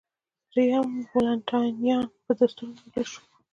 درېیم والنټینیان په دستور ووژل شو